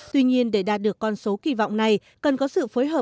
tuy nhiên để đạt được con số kỳ vọng này cần có sự phối hợp giữa các đơn vị